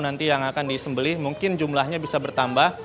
nanti yang akan disembelih mungkin jumlahnya bisa bertambah